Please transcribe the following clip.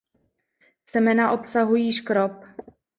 Semena obsahují škrob.